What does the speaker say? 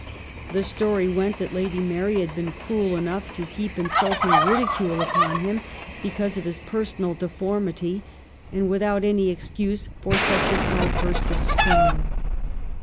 The story went that Lady Mary had been cruel enough to heap insulting ridicule upon him because of his personal deformity, and without any excuse for such an outburst of scorn.